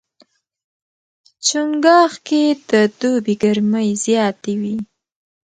چنګاښ کې د دوبي ګرمۍ زیاتې وي.